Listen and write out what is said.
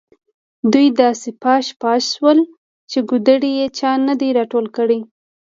دوی داسې پاش پاش شول چې کودړي یې چا نه دي راټول کړي.